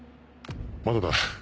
まだだ。